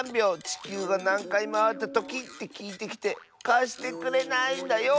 ちきゅうがなんかいまわったとき？」ってきいてきてかしてくれないんだよ！